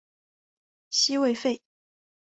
西魏废。